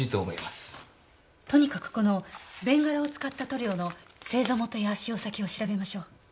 とにかくこのベンガラを使った塗料の製造元や使用先を調べましょう。